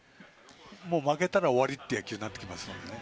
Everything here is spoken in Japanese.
もう負けたら終わりという野球になってきますから。